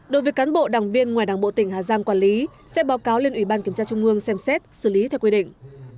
đối với cán bộ đảng viên ngoài đảng bộ tỉnh hà giang quản lý sẽ báo cáo lên ủy ban kiểm tra trung ương xem xét xử lý theo quy định